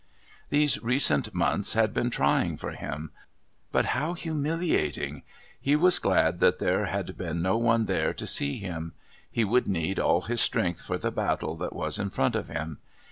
These recent months had been trying for him. But how humiliating! He was glad that there had been no one there to see him. He would need all his strength for the battle that was in front of him.